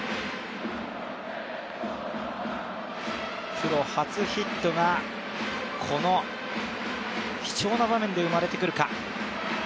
プロ初ヒットがこの貴重な場面で生まれてくるか。